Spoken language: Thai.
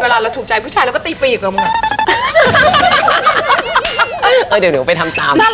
เวลาถูกใจผู้ชายก็ตีไปอีกไหม